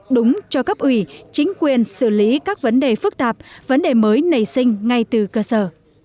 đúng cho cấp ủy chính quyền xử lý các vấn đề phức tạp vấn đề mới nảy sinh ngay từ cơ sở